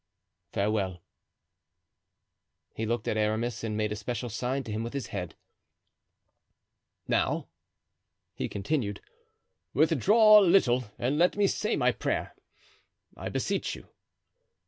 Farewell." He looked at Aramis and made a special sign to him with his head. "Now," he continued, "withdraw a little and let me say my prayer, I beseech you.